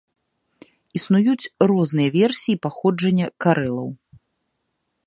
Існуюць розныя версіі паходжання карэлаў.